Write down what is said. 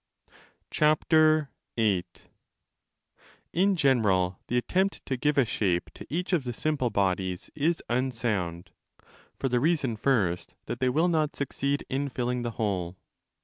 w σι In general, the attempt to give a shape to each of the8 simple bodies is unsound, for the reason, first, that they 5 will not succeed in filling the whole.